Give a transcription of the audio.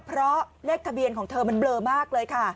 เพราะเลขทะเบียนของเธอมันเบลอมากเลยค่ะ